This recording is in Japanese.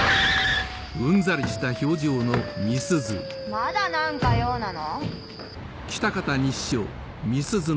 まだ何か用なの？